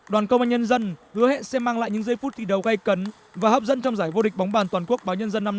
đoàn công an nhân dân hứa hẹn sẽ mang lại những giây phút thi đấu gây cấn và hấp dẫn trong giải vô địch bóng bàn toàn quốc báo nhân dân năm nay